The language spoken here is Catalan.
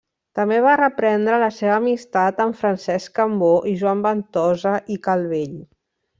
També va reprendre la seva amistat amb Francesc Cambó i Joan Ventosa i Calvell.